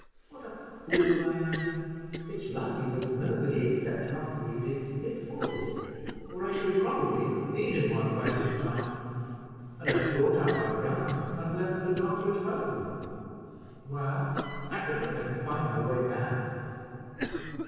What a fool I am! It's lucky that nobody except Humphrey digs pitfalls, or I should probably have been in one by this time; and I've brought out my gun and left the dog at home. Well, I suppose I can find my way back."